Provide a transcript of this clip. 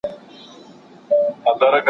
ښځه باید د کورنۍ مالي اموال په ښه توګه وساتي.